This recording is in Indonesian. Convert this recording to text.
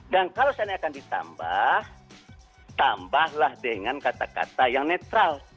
dan kalau sana akan ditambah tambahlah dengan kata kata yang netral